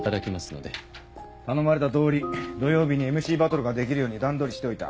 頼まれたとおり土曜日にＭＣバトルができるように段取りしといた。